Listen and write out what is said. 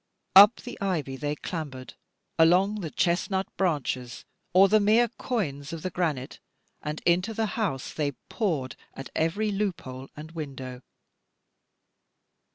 Up the ivy they clambered, along the chesnut branches, or the mere coignes of the granite, and into the house they poured at every loop hole and window.